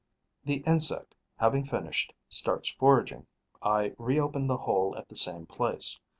The insect, having finished, starts foraging. I reopen the hole at the same place.